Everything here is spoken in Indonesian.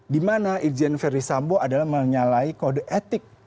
dimana irjen ferdis sambos adalah menyalahi kode etik